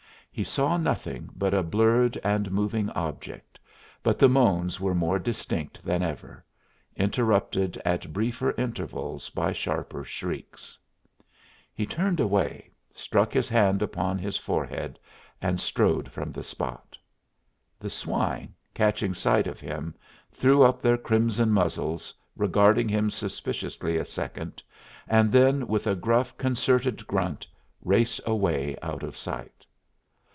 He saw nothing but a blurred and moving object, but the moans were more distinct than ever, interrupted at briefer intervals by sharper shrieks. He turned away, struck his hand upon his forehead, and strode from the spot. The swine, catching sight of him, threw up their crimson muzzles, regarding him suspiciously a second, and then with a gruff, concerted grunt, raced away out of sight.